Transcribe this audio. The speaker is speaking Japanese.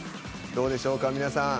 どうでしょうか皆さん。